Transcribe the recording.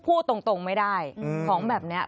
พูดตรงไม่ได้ของแบบนี้